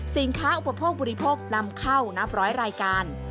อุปโภคบริโภคนำเข้านับร้อยรายการ